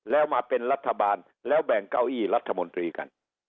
แล้วมาเป็นรัฐบาลแล้วแบ่งเก้าอี้รัฐมนตรีกัน